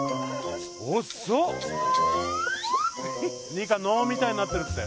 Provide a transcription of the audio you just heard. ニカ能みたいになってるって。